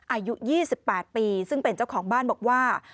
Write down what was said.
อายุ๒๘ปีซึ่งเป็นเจ้าของบ้านบอกว่า